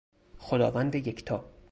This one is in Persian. خداوند یکتا